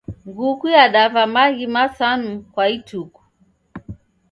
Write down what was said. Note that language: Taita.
Nguku yadava maghi masanu kwa ituku.